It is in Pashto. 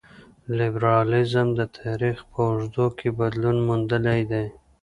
لېبرالیزم د تاریخ په اوږدو کې بدلون موندلی دی.